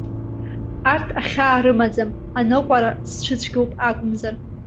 Арҭ ахьаа рымаӡам, аныҟәара сцәыцәгьоуп акәымзар.